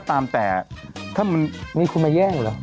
ถามให้หนุ่มเหรอ